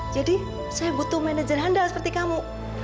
jadi saya butuh manajer handal seperti kamu